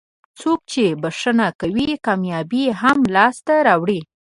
څوک چې بښنه کوي کامیابي هم لاسته راوړي.